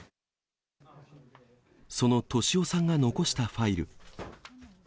その俊夫さんが残したファイル。